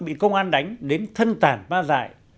bị công an đánh đến thân tàn ma dại